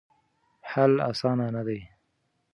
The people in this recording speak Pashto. حل اسانه نه دی.